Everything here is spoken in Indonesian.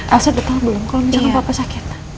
elsa udah tau belum kalo misalnya papa sakit